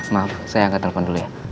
maaf saya akan telepon dulu ya